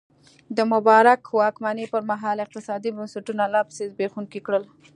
د مبارک واکمنۍ پرمهال اقتصادي بنسټونه لا پسې زبېښونکي کړل.